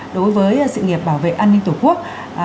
đối với sự nghiệp bảo vệ an ninh tổ quốc